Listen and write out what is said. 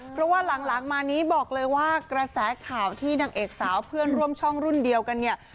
เพราะว่าหลังมานี้บอกเลยว่ากระแสข่าวที่นางเอกสาวเพื่อนร่วมช่องรุ่นเดียวกันเนี่ย